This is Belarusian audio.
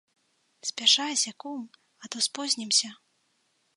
Спяшайся, кум, а то спознімся.